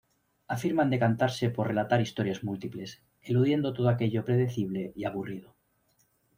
Afirman decantarse por relatar historias múltiples, eludiendo todo aquello predecible y aburrido.